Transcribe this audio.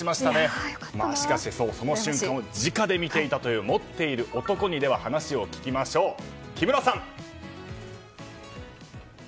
しかし、その瞬間を直で見ていたという持っている男に話を聞きましょう、木村さん。